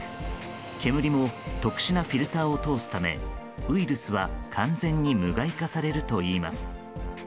煙も特殊なフィルターを通すためウイルスは完全に無害化されるといいます。